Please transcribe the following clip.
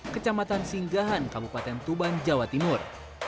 kecamatan singgahan kabupaten tuban jawa timur